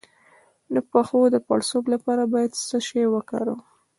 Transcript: د پښو د پړسوب لپاره باید څه شی وکاروم؟